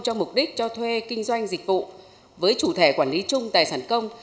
cho mục đích cho thuê kinh doanh dịch vụ với chủ thể quản lý chung tài sản công